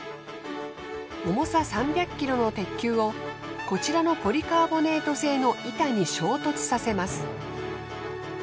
重さ３００ｋｇの鉄球をこちらのポリカーボネート製の板に衝突させます。